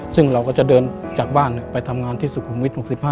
ซึ่งเราก็จะเดินจากบ้านไปทำงานที่สุขุมวิท๖๕